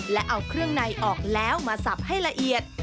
และเอาเครื่องในออกแล้วมาสับให้ละเอียด